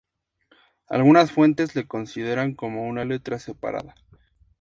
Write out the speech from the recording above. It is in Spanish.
Algunas fuentes le consideran como una letra separada.